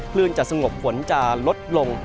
คลื่นจะสงบฝนจะลดลง